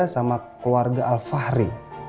sama keluarga alfahri